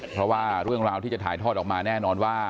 เพราะเวลาวัวที่จะถ่ายทอดออกมาแน่นอนว่า